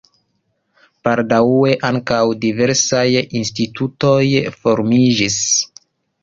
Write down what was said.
Baldaŭe ankaŭ diversaj institutoj formiĝis.